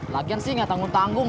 lagian sih gak tanggung tanggung